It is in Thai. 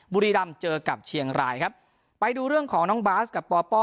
บุรีรำเจอกับเชียงรายครับไปดูเรื่องของน้องบาสกับปป